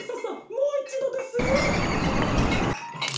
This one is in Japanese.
もういちどですよ！